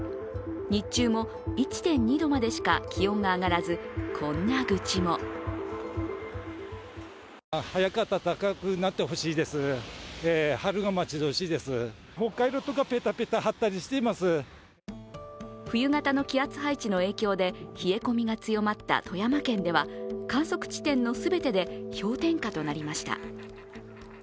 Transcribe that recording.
日中も１．２度までしか気温が上がらず、こんな愚痴も冬型の気圧配置の影響で冷え込みが強まった富山県では観測地点の全てで氷点下となりました。